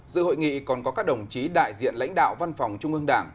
dự hội nghị còn có các đồng chí đại diện lãnh đạo văn phòng trung ương đảng